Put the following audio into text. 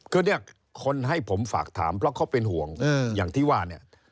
คือเนี่ยคนให้ผมฝากถามเพราะเขาเป็นห่วงอย่างที่ว่าเนี่ย